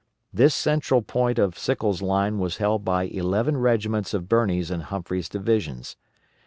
This central point of Sickles' line was held by eleven regiments of Birney's and Humphreys' divisions.